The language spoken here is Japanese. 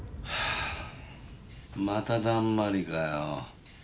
まただんまりかよ。